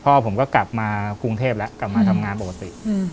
พ่อผมก็กลับมากรุงเทพแล้วกลับมาทำงานปกติ